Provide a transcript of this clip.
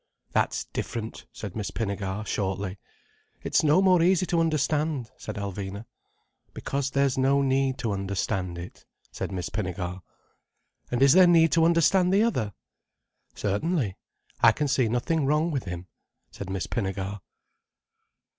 "That's different," said Miss Pinnegar shortly. "It's no more easy to understand," said Alvina. "Because there's no need to understand it," said Miss Pinnegar. "And is there need to understand the other?" "Certainly. I can see nothing wrong with him," said Miss Pinnegar.